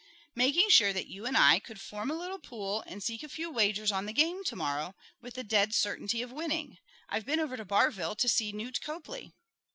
"Making sure that you and I could form a little pool and seek a few wagers on the game to morrow, with the dead certainty of winning. I've been over to Barville to see Newt Copley."